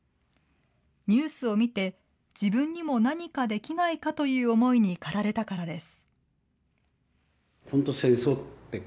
ニュースを見て、自分にも何かできないかという思いに駆られたからです。